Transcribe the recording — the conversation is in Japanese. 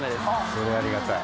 それありがたい。